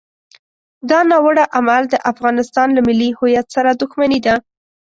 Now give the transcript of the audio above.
دا ناوړه عمل د افغانستان له ملي هویت سره دښمني ده.